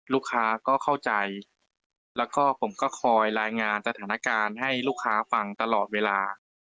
ลูกค้าก็เข้าใจแล้วก็ผมก็คอยรายงานสถานการณ์ให้ลูกค้าฟังตลอดเวลา